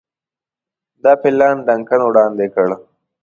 دا پلان ډنکن وړاندي کړ.